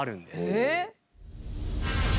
えっ？